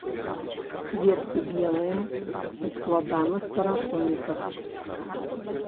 Кветкі белыя, у складаных парасоніках.